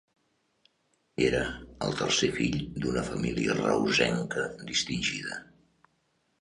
Era el tercer fill d'una família reusenca distingida.